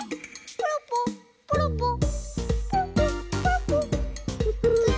ポロポロポロポロ。